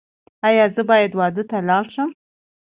ایا زه باید واده ته لاړ شم؟